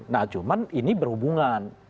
nah cuma ini berhubungan